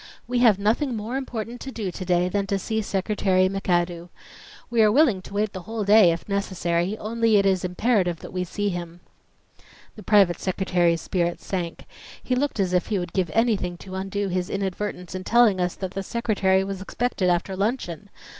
"We have nothing more important to do to day than to see Secretary McAdoo. We are willing to wait the whole day, if necessary, only it is imperative that we see him." The private secretary's spirits sank. He looked as if he would give anything to undo his inadvertence in telling us that the Secretary was expected after luncheon!